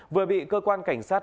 vừa bị cơ quan cảnh sát